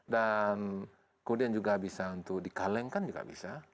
dan kemudian juga bisa untuk dikalengkan juga bisa